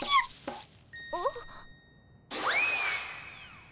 あっ。